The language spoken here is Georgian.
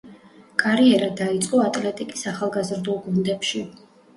კარიერა დაიწყო „ატლეტიკის“ ახალგაზრდულ გუნდებში.